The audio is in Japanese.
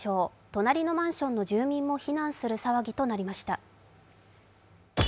隣のマンションの住民も避難する騒ぎとなりました。